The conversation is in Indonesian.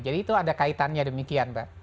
jadi itu ada kaitannya demikian pak